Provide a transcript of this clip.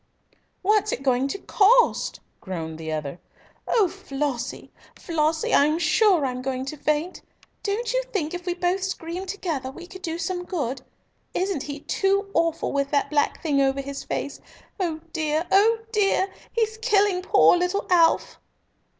"What's it going to cost?" groaned the other. "Oh, Flossie, Flossie, I'm sure I'm going to faint! Don't you think if we both screamed together we could do some good? Isn't he too awful with that black thing over his face? Oh, dear, oh, dear! He's killing poor little Alf!"